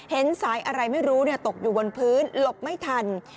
เห็นสายอะไรไม่รู้ตกอยู่บนพื้นหลบไม่ทัน